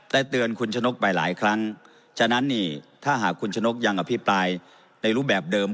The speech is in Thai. เตือนคุณชนกไปหลายครั้งฉะนั้นนี่ถ้าหากคุณชนกยังอภิปรายในรูปแบบเดิม